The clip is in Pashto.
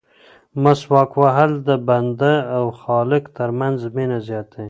مسواک وهل د بنده او خالق ترمنځ مینه زیاتوي.